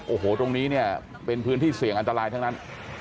โอ้โหตรงนี้เนี่ยเป็นพื้นที่เสี่ยงอันตรายทั้งนั้น